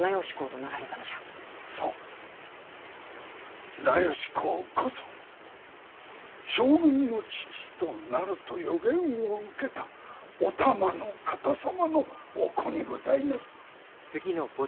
そう綱吉公こそ「将軍の父となる」と予言を受けたお玉の方様のお子にございます。